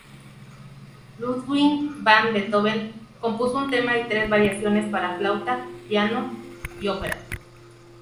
Ludwig van Beethoven compuso un tema y tres variaciones para flauta y piano, op.